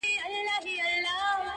نن دي د دښتونو پر لمنه رمې ولیدې!